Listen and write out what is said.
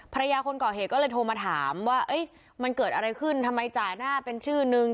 ภรรยาคนก่อเหตุก็เลยโทรมาถามว่ามันเกิดอะไรขึ้นทำไมจ่ายหน้าเป็นชื่อนึง